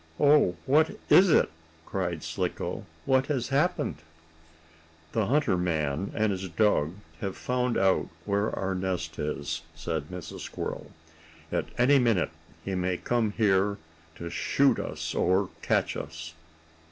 "Oh, what is it?" cried Slicko. "What has happened?" "The hunter man, and his dog, have found out where our nest is," said Mrs. Squirrel. "At any minute he may come here to shoot us, or catch us."